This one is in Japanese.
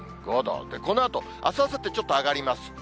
このあとあす、あさって、ちょっと上がります。